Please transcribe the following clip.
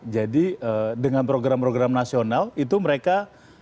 jadi dengan program program nasional itu mereka tidak lagi look up